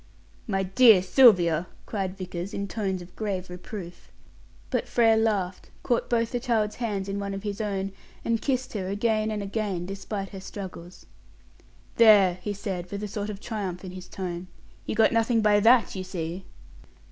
"My dear Sylvia!" cried Vickers, in tones of grave reproof. But Frere laughed, caught both the child's hands in one of his own, and kissed her again and again, despite her struggles. "There!" he said, with a sort of triumph in his tone. "You got nothing by that, you see."